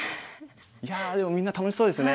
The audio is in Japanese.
いやでもみんな楽しそうですね。